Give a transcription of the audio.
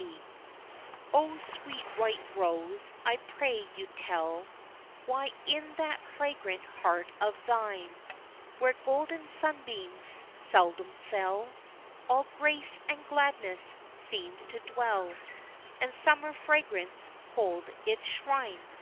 Shadows "O sweet white rose, I pray you tell Why in that fragrant heart of thine Where golden sunbeams seldom fell, All grace and gladness seems to dwell, And summer fragrance hold its shrine?"